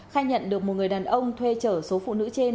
khai nhận được một người đàn ông thuê chở số phụ nữ trên